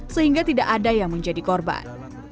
sehingga tidak ada yang menjadi korban